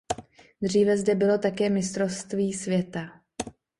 Dříve zde bylo také mistrovství světa.